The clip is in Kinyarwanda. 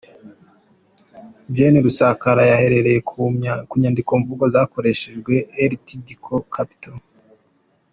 Gen. Rusagara yahereye ku nyandikomvugo zakoreshejwe Rtd Capt.